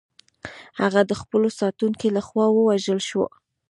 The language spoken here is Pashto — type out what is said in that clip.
هغه د خپلو ساتونکو لخوا ووژل شوه.